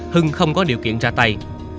hưng không có điều kiện ra tay